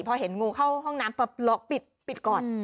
พอเห็นงูเข้าห้องน้ำปิดก่อน